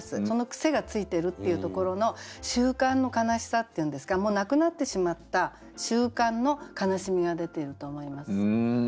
その癖がついてるっていうところの習慣の悲しさっていうんですかもうなくなってしまった習慣の悲しみが出てると思います。